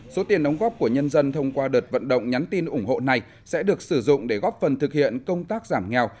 số tiền đóng góp của nhân dân thông qua đợt vận động nhắn tin ủng hộ này sẽ được sử dụng để góp phần thực hiện công tác giảm nghèo